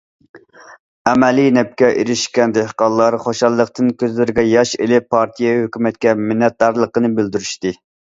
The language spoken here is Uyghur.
ئەمەلىي نەپكە ئېرىشكەن دېھقانلار خۇشاللىقتىن كۆزلىرىگە ياش ئېلىپ، پارتىيە، ھۆكۈمەتكە مىننەتدارلىقىنى بىلدۈرۈشتى.